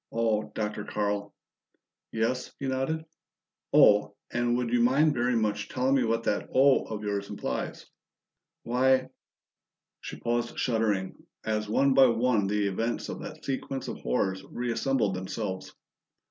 "Oh, Dr. Carl!" "Yes," he nodded. "'Oh!' and would you mind very much telling me what that 'Oh' of yours implies?" "Why ". She paused shuddering, as one by one the events of that sequence of horrors reassembled themselves.